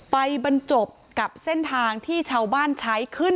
ไปบรรจบกับเส้นทางที่ชาวบ้านใช้เครื่อง